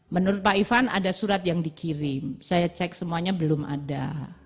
menurut pak ivan ada surat yang dikirim saya cek semuanya belum ada